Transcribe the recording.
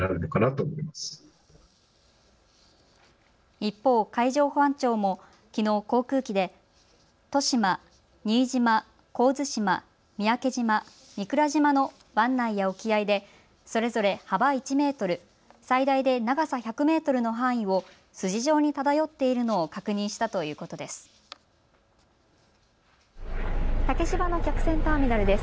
一方、海上保安庁もきのう航空機で利島、新島、神津島、三宅島、御蔵島の湾内や沖合でそれぞれ幅１メートル、最大で長さ１００メートルの範囲を筋状に漂っているのを確認したということです。